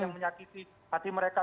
yang menyakiti hati mereka